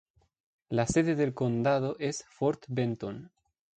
La sede del condado es Fort Benton.